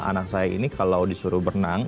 anak saya ini kalau disuruh berenang